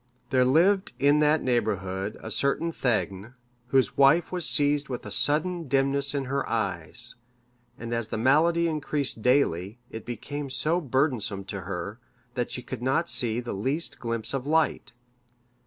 There lived in that neighbourhood a certain thegn, whose wife was seized with a sudden dimness in her eyes, and as the malady increased daily, it became so burdensome to her, that she could not see the least glimpse of light.